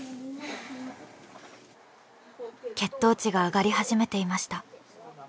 血糖値が上がり始めていました。